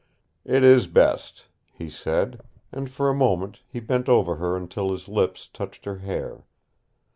"It is best," he said, and for a moment he bent over her until his lips touched her hair.